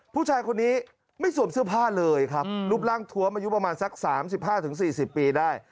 ผู้ชายคนนี้ไม่สวมเสื้อผ้าเลยครับอืมรูปร่างทั้วมายุประมาณสักสามสิบห้าถึงสี่สิบปีได้